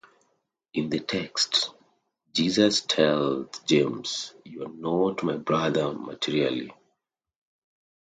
In the text, Jesus tells James you are not my brother materially.